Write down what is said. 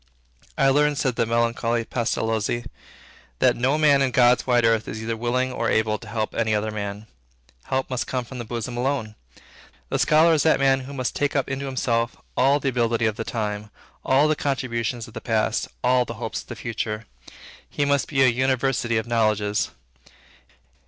"I learned," said the melancholy Pestalozzi, "that no man in God's wide earth is either willing or able to help any other man." Help must come from the bosom alone. The scholar is that man who must take up into himself all the ability of the time, all the contributions of the past, all the hopes of the future. He must be an university of knowledges.